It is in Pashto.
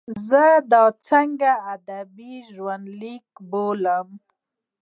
زه دا ځکه ادبي ژوندلیک بولم.